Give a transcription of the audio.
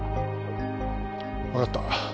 わかった。